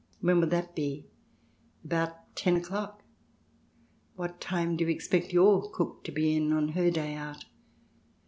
" When will that be ?" "About ten o'clock. What time do you expect your cook to be in on her day out